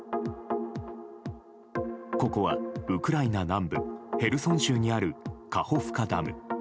ここはウクライナ南部ヘルソン州にあるカホフカダム。